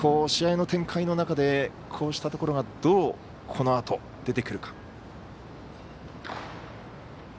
試合の展開の中でこうしたところがどうこのあと出てくるか。